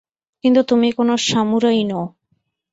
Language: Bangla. কিন্তু তুমি কোন সামুরাই নও।